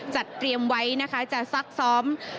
จัดเตรียมไว้นะคะจะซักซ้อม